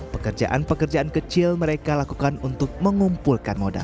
pekerjaan pekerjaan kecil mereka lakukan untuk mengumpulkan modal